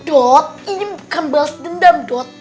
dot ini bukan balas dendam dot